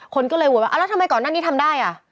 คนก็เลยโหวตว่าแล้วทำไมก่อนหน้านี้ทำได้อ่ะ